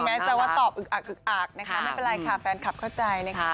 แม้จะว่าตอบอึกอักอึกอักนะคะไม่เป็นไรค่ะแฟนคลับเข้าใจนะคะ